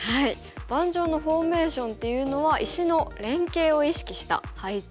盤上のフォーメーションっていうのは石の連携を意識した配置をすることなんですね。